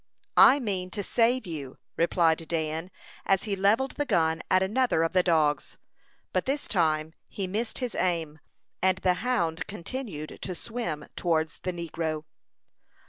"I mean to save you," replied Dan, as he levelled the gun at another of the dogs; but this time he missed his aim, and the hound continued to swim towards the negro.